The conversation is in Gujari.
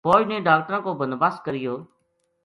فوج نے ڈاکٹراں کو بندوبست کریو